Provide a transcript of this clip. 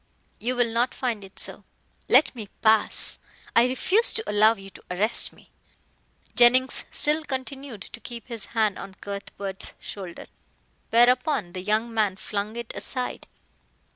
"You will not find it so." "Let me pass. I refuse to allow you to arrest me." Jennings still continued to keep his hand on Cuthbert's shoulder, whereupon the young man flung it aside.